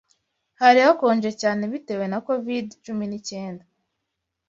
Hari hakonje cyane, bitewe na covid cumi n'icyenda